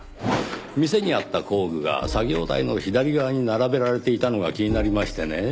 店にあった工具が作業台の左側に並べられていたのが気になりましてねぇ。